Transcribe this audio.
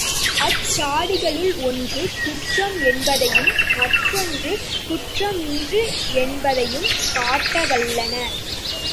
அச் சாடிகளுள் ஒன்று குற்றம் என்பதையும் மற்றென்று குற்றமின்று என்பதையும் காட்டவல்லன.